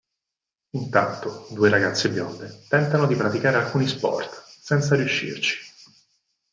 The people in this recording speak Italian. Intanto due ragazze bionde tentano di praticare alcuni sport, senza riuscirci.